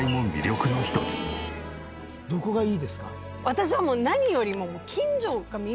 私はもう何よりも。